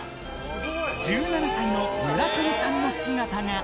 １７歳の村上さんの姿が。